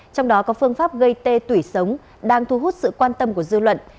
trong đó có phương pháp gây tê tủy sống đang thu hút sự quan tâm của dư luận